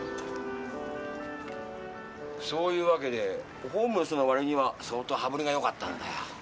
そういうわけでホームレスの割には相当羽振りがよかったんだよ。